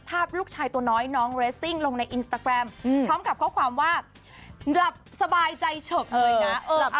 ภาพลูกชายตัวน้อยน้องเรสซิ่งลงในอินสตาแกรมพร้อมกับข้อความว่าหลับสบายใจเฉิกเลยนะ